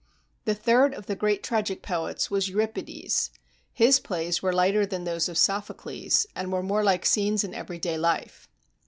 The third of the great tragic poets was Euripides. His plays were lighter than those of Sophocles, and were more like scenes in every day life.